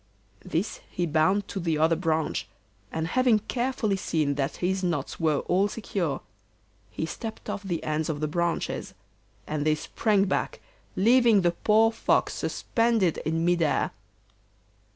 This he bound to the other branch, and having carefully seen that his knots were all secure, he stepped off the ends of the branches, and they sprang back, leaving the poor Fox suspended in mid air.